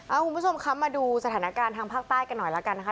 คุณผู้ชมคะมาดูสถานการณ์ทางภาคใต้กันหน่อยแล้วกันนะคะ